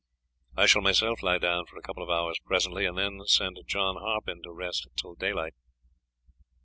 I shall myself lie down for a couple of hours presently, and then send John Harpen to rest till daylight.